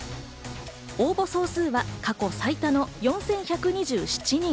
応募総数は過去最多の４１２７人。